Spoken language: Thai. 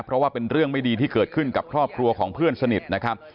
เพราะว่าเป็นเรื่องไม่ดีที่เกิดขึ้นกับครอบครัวของเพื่อนสนิทนะครับ